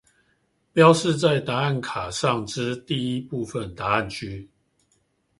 標示在答案卡上之第一部分答案區